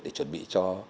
để chuẩn bị cho